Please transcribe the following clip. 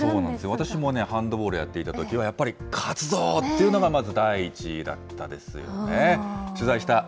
私もハンドボールやっていたときは、やっぱり勝つぞっていうのがまず第一だったですよね。